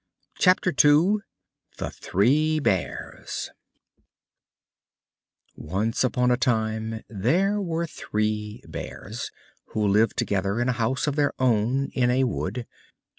THE STORY OF THE THREE BEARS Once upon a time there were Three Bears, who lived together in a house of their own, in a wood.